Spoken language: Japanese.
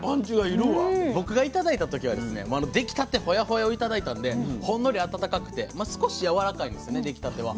僕が頂いた時は出来たてホヤホヤを頂いたんでほんのり温かくてまあ少しやわらかいんですね出来たては。